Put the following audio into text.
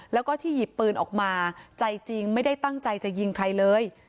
แล้วก็ที่หยิบปืนออกมาใจจริงไม่ได้ตั้งใจจะยิงใครเลย